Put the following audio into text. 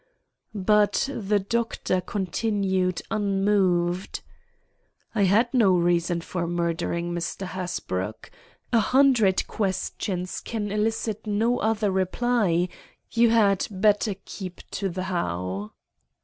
But the Doctor continued unmoved: "I had no reason for murdering Mr. Hasbrouck. A hundred questions can elicit no other reply; you had better keep to the how."